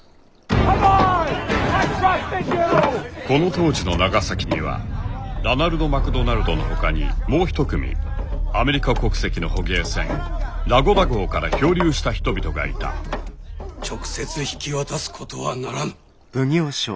この当時の長崎にはラナルド・マクドナルドのほかにもう一組アメリカ国籍の捕鯨船ラゴダ号から漂流した人々がいた直接引き渡すことはならぬ。